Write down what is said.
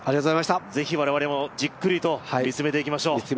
ぜひ我々もじっくりと見つめていきましょう。